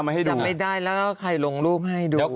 ทำไมไม่ได้แล้วก็ทันของมาให้ดู